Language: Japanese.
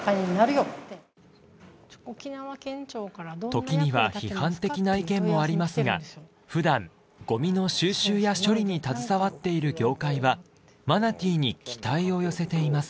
時には批判的な意見もありますが普段ゴミの収集や処理に携わっている業界はマナティに期待を寄せています。